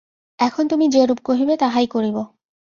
এখন তুমি যেরূপ কহিবে তাহাই করিব।